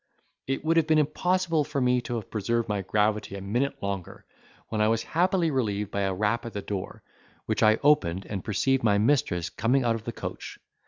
It would have been impossible for me to have preserved my gravity a minute longer, when I was happily relieved by a rap at the door, which I opened, and perceived my mistress coming out of the coach.